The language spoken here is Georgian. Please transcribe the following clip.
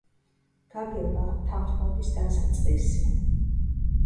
გაგება — თანხმობის დასაწყისი.